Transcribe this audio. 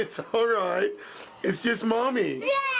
เจออะไรกันไหมแมมมี่